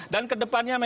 dan ke depannya memang